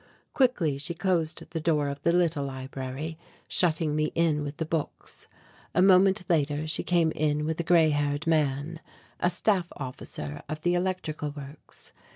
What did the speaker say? Quickly she closed the door of the little library, shutting me in with the books. A moment later she came in with a grey haired man, a staff officer of the electrical works.